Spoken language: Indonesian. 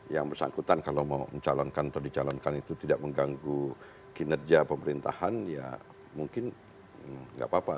yang bersangkutan kalau mau mencalonkan atau dicalonkan itu tidak mengganggu kinerja pemerintahan ya mungkin nggak apa apa